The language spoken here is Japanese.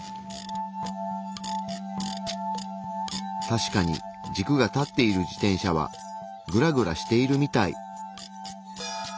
確かに軸が立っている自転車はグラグラしているみたい。